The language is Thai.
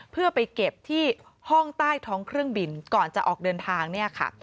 เพื่อไปเก็บที่ห้องใต้ท้องเครื่องบินก่อนจะออกเดินทางเนี่ยค่ะ